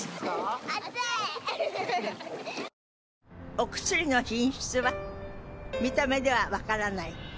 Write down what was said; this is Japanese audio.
お薬の品質は見た目では分からない。